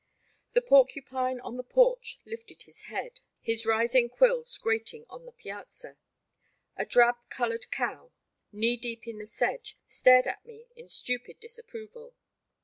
The porcupine on the porch lifted his head, his rising quills grating on the piazza; a drab coloured cow, knee deep in the sedge, stared at me in stupid disapproval.